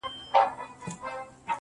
زريني کرښي د لاهور په لمر لويده کي نسته~